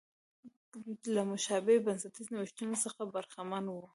له مشابه بنسټي نوښتونو څخه برخمنه وه.